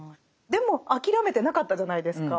でも諦めてなかったじゃないですか。